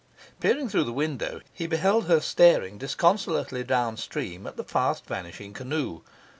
Peering through the window, he beheld her staring disconsolately downstream at the fast vanishing canoe.